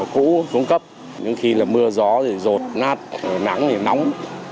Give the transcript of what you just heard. cũ xuống cấp những khi là mưa gió thì rột nát nắng thì nóng